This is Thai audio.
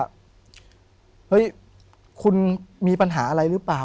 ผมก็ไม่เคยเห็นว่าคุณจะมาทำอะไรให้คุณหรือเปล่า